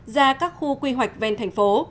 ra các khu quy hoạch ven thành phố